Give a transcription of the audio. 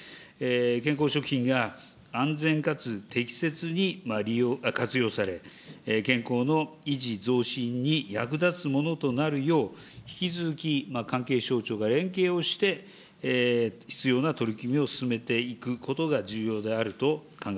健康食品が安全かつ適切に活用され、健康の維持、増進に役立つものとなるよう、引き続き関係省庁が連携をして、必要な取り組みを進めていくこと